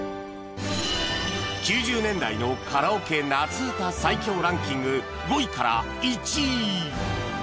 ９０年代のカラオケ夏うた最強ランキング５位から１位